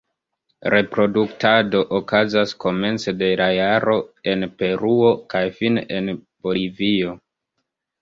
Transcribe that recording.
Reproduktado okazas komence de la jaro en Peruo kaj fine en Bolivio.